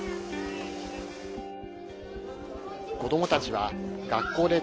子どもたちは学校で、